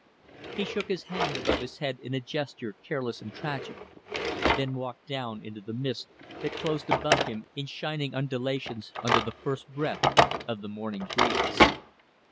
He shook his hand above his head in a gesture careless and tragic, then walked down into the mist that closed above him in shining undulations under the first breath of the morning breeze.